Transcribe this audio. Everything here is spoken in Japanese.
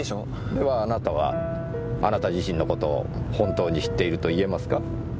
ではあなたはあなた自身の事を本当に知っていると言えますか？